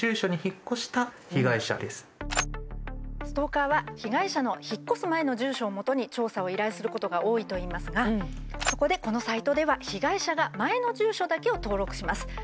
ストーカーは被害者の引っ越す前の住所をもとに調査を依頼することが多いといいますがそこでこのサイトでは被害者が前の住所だけを登録します。